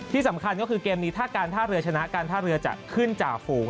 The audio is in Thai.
ที่สำคัญก็คือเกมนี้ถ้าการท่าเรือชนะการท่าเรือจะขึ้นจ่าฝูง